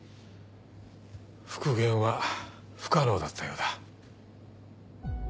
復元は不可能だったようだ。